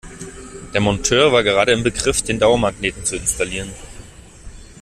Der Monteur war gerade in Begriff, den Dauermagneten zu installieren.